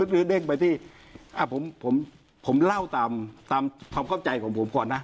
หรือเด้งไปที่ผมเล่าตามความเข้าใจของผมก่อนนะ